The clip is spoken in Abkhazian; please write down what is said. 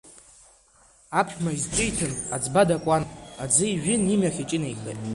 Аԥшәма изҿиҭын, аӡба дакуан, аӡы ижәын, имҩахь иҿынеихеит.